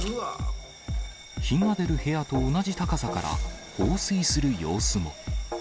火が出る部屋と同じ高さから放水する様子も。